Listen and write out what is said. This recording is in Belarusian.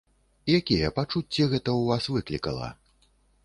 Якія пачуцці гэта ў вас выклікала?